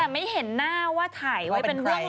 อ๋อมีคนถาม